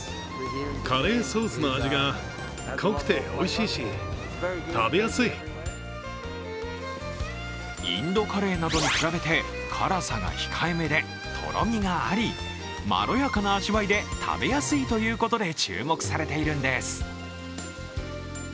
その人気の訳はインドカレーなどに比べて辛さが控えめでとろみがありまろやかな味わいで食べやすいということで注目されているんです。